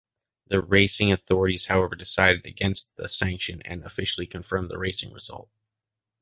The racing authorities however decided against a sanction and officially confirmed the racing result.